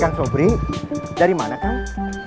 kang sobri dari mana kang